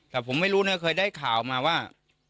แต่ผมไม่รู้นะเคยได้ข่าวมาว่า